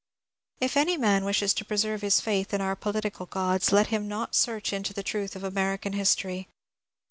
If any man wishes to preserve his faith in our political gods, let him not search into the truth of American history.